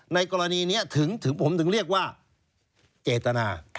ในกรณีนี้ถึงผมถึงเรียกว่าเจตนา